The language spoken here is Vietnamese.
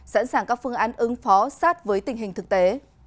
sẵn sàng các phương án ứng phó sát với tình hình thực tế